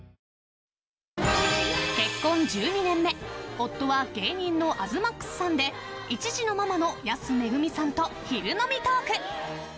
夫は芸人の東ＭＡＸさんで１児のママの安めぐみさんと昼飲みトーク。